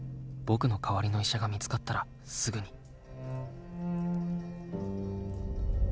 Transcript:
僕の代わりの医者が見つかったらすぐに。